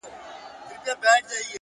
ریښتینی ځواک د ځان کنټرول دی,